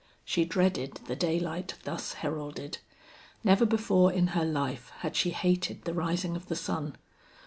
She dreaded the daylight thus heralded. Never before in her life had she hated the rising of the sun.